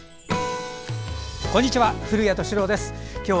こんにちは。